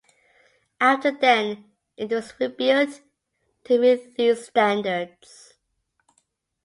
After then, it was rebuilt to meet these standards.